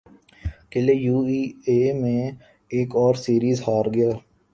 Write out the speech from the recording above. قلعے U A E میں ایک اور سیریز ہار گیا